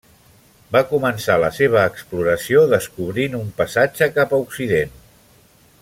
Va començar la seva exploració descobrint un passatge cap a occident.